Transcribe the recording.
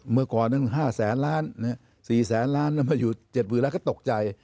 เมื่อก่อน๕แสนล้านมาอยู่๗๐ล้านแล้วก็ตกใจ